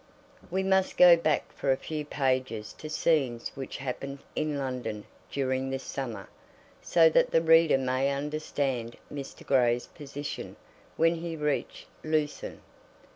We must go back for a few pages to scenes which happened in London during this summer, so that the reader may understand Mr. Grey's position when he reached Lucerne.